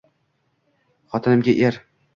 Xotinimga – er